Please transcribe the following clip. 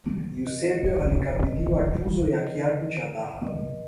eusebio alikabidhiwa tuzo ya kiatu cha dhahabu